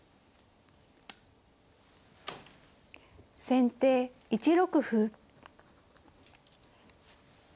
先手１六歩。